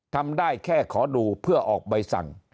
ทำได้แค่ขอดูเพื่อออกใบสั่ง